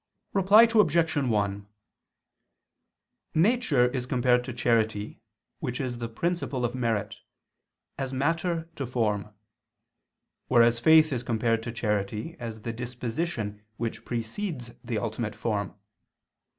Reply Obj. 1: Nature is compared to charity which is the principle of merit, as matter to form: whereas faith is compared to charity as the disposition which precedes the ultimate form.